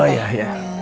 pak pak ayah pak diminum